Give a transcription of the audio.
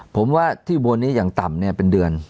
ผมว่าที่บนนี้อย่างต่ำเป็นเดือน